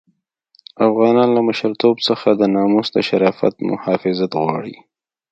افغانان له مشرتوب څخه د ناموس د شرافت محافظت غواړي.